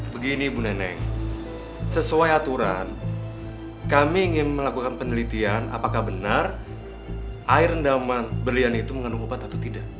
begini bu neneng sesuai aturan kami ingin melakukan penelitian apakah benar air rendaman berlian itu mengandung obat atau tidak